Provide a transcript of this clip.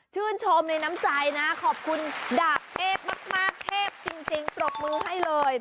ชื่นชมในน้ำใจนะขอบคุณดาบเทพมากเทพจริงปรบมือให้เลย